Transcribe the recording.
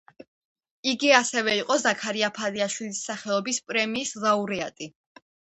იგი ასევე იყო ზაქარია ფალიაშვილის სახელობის პრემიის ლაურეატი.